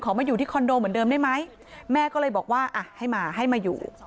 มาอยู่ที่คอนโดเหมือนเดิมได้ไหมแม่ก็เลยบอกว่าอ่ะให้มาให้มาอยู่